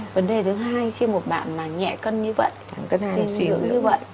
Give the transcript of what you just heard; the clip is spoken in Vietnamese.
vấn đề thứ hai chiếm một bạn mà nhẹ cân như vậy xuyên dưỡng như vậy